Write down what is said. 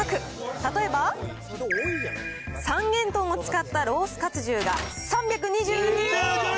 例えば、三元豚を使ったロースかつ重が３２２円。